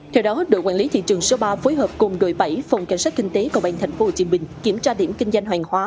theo đó đội quản lý thị trường số ba phối hợp cùng đội bảy phòng cảnh sát kinh tế công an tp hcm kiểm tra điểm kinh doanh hoàn hóa